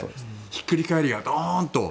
ひっくり返ればドーンと。